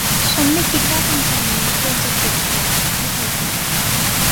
ฉันไม่คิดว่ากำแพงนี้ควรจะถูกทาตามที่เธอเสนอ